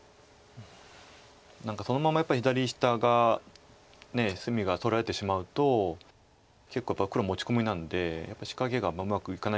何かそのままやっぱり左下が隅が取られてしまうと結構やっぱり黒持ち込みなんで仕掛けがうまくいかないですよね。